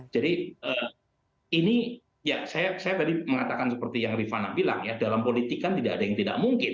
jadi ini ya saya tadi mengatakan seperti yang rifana bilang ya dalam politik kan tidak ada yang tidak mungkin